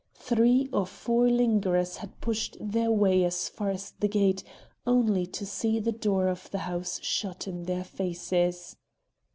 Three or four lingerers had pushed their way as far as the gate, only to see the door of the house shut in their faces.